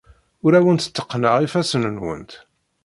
Ur awent-tteqqneɣ ifassen-nwent.